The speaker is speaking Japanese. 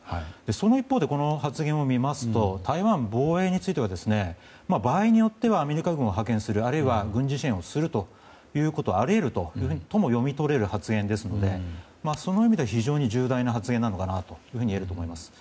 その一方で、この発言を見ますと台湾防衛によっては場合によってはアメリカ軍を派遣するあるいは軍事支援をするとも読み取れる発言ですのでその意味で非常に重大な発言なのかなといえます。